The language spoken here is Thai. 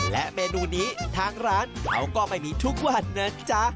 และเมนูนี้ทางร้านเขาก็ไม่มีทุกวันนะจ๊ะ